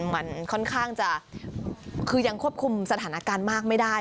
มันค่อนข้างจะคือยังควบคุมสถานการณ์มากไม่ได้